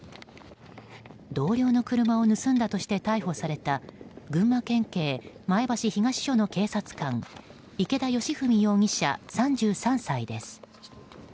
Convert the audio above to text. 同僚の車を盗んだとして逮捕された群馬県警前橋東署の警察官池田佳史容疑者、３３歳です。